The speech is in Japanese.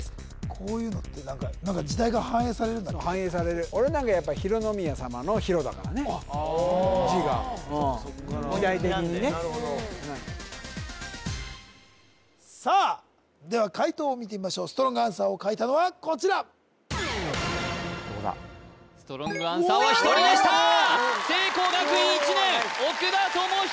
こういうのって何か時代が反映されるような反映される俺なんかやっぱ浩宮さまの「浩」だからねああ字がうん時代的にねなるほどさあでは解答を見てみましょうストロングアンサーを書いたのはこちらストロングアンサーは１人でした聖光学院１年奥田智仁